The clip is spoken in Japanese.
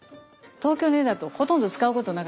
東京の家だとほとんど使うことなかったんです。